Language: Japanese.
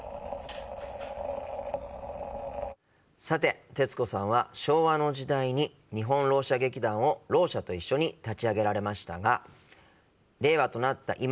さて徹子さんは昭和の時代に日本ろう者劇団をろう者と一緒に立ち上げられましたが令和となった